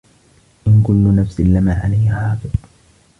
إِن كُلُّ نَفسٍ لَمّا عَلَيها حافِظٌ